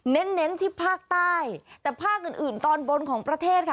เน้นที่ภาคใต้แต่ภาคอื่นอื่นตอนบนของประเทศค่ะ